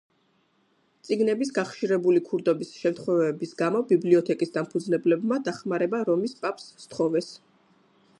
წიგნების გახშირებული ქურდობის შემთხვევების გამო ბიბლიოთეკის დამფუძნებლებმა დახმარება რომის პაპს სთხოვეს.